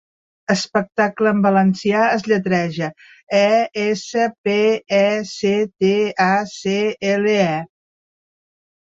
'Espectacle' en valencià es lletreja: e, esse, pe, e, ce, te, a, ce, ele, e.